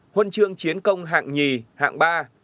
huân chương chiến công hạng nhì hạng ba